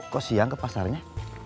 kok siang ke pasarnya